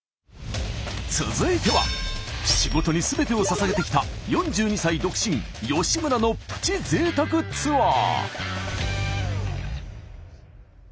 続いては仕事にすべてをささげてきた４２歳独身吉村のプチ贅沢ツアー。